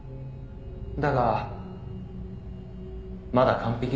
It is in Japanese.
「だがまだ完璧ではない」